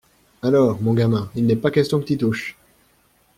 Alors, mon gamin, il n’est pas question que t’y touches!